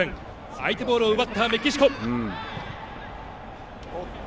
相手ボールを奪ったメキシコ。